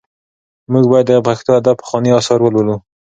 موږ باید د پښتو ادب پخواني اثار ولولو.